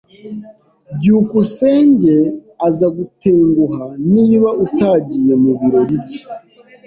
byukusenge azagutenguha niba utagiye mubirori bye.